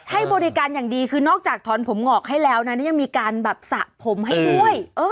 ให้บริการอย่างดีคือนอกจากถอนผมงอกให้แล้วนะนี่ยังมีการแบบสระผมให้ด้วย